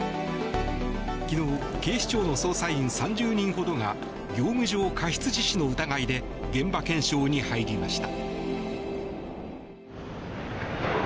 昨日警視庁の捜査員３０人ほどが業務上過失致死の疑いで現場検証に入りました。